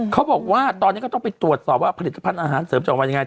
เขาบอกว่าตอนนี้ก็ต้องไปตรวจสอบว่าผลิตภัณฑ์อาหารเสริมจากวันยังไง